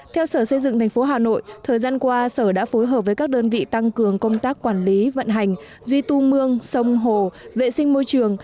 theo sở xây dựng thành phố hà nội thời gian qua sở đã phối hợp với các đơn vị tăng cường công tác quản lý vận hành duy tu mương sông hồ vệ sinh môi trường